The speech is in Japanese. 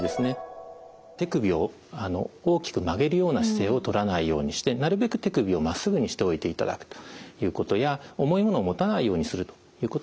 手首を大きく曲げるような姿勢をとらないようにしてなるべく手首をまっすぐにしておいていただくということや重いものを持たないようにするということは大事です。